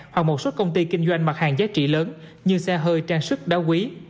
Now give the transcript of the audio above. hoặc một số công ty kinh doanh mặt hàng giá trị lớn như xe hơi trang sức đá quý